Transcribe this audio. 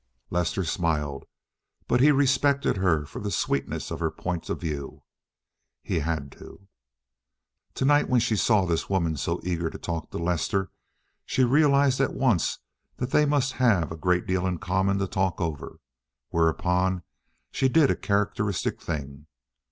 Lester smiled, but he respected her for the sweetness of her point of view—he had to. To night, when she saw this woman so eager to talk to Lester, she realized at once that they must have a great deal in common to talk over; whereupon she did a characteristic thing.